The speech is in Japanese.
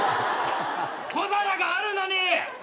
小皿があるのに！